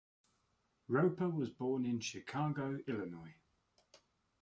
Roeper was born in Chicago, Illinois.